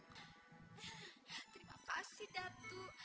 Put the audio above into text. terima kasih datuk